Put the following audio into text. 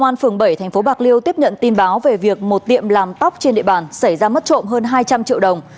ngày hai mươi chín tháng một mươi công an phường bảy tp bạc liêu tiếp nhận tin báo về việc một tiệm làm tóc trên địa bàn xảy ra mất trộm hơn hai trăm linh triệu đồng